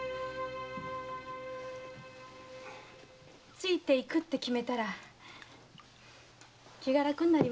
ついて行くと決めたら気が楽になりました。